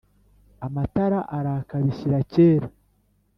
Amatara araka bishyira kera